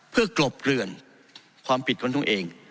เพื่อกลบเกลื่อนความผิดของตัวเอง